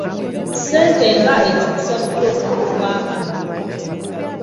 ssente nga ekyusa bubi obwongo bw'abantu.